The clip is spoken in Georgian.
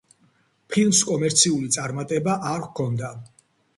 ფილმს კომერციული წარმატება არ ჰქონდა.